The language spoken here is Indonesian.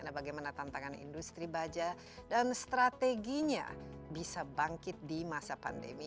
nah bagaimana tantangan industri baja dan strateginya bisa bangkit di masa pandemi